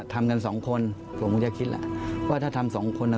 ทำกันสองคนผมคงจะคิดแหละว่าถ้าทำสองคนอ่ะ